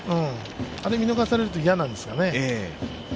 あれを見逃されると嫌なんですけどね。